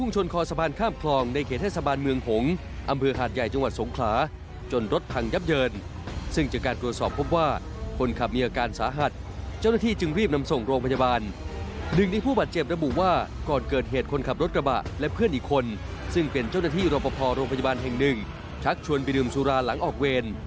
เจ้าหน้าที่รอปภโรงพยาบาลแห่ง๑ชักชวนไปดื่มสุราหลังออกเวล